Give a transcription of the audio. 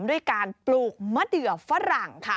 ด้วยการปลูกมะเดือฝรั่งค่ะ